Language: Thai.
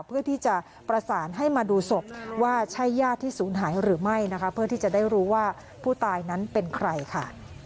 เพื่อที่จะประสานให้มาดูศพว่าใช่ญาติที่ศูนย์หายหรือไม่นะคะเพื่อที่จะได้รู้ว่าผู้ตายนั้นเป็นใครค่ะ